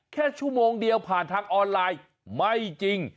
แค่ชั่วโมงเดียวผ่านทางออนไลน์ไม่จริง